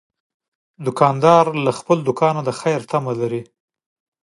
دوکاندار له دوکان نه د خیر تمه لري.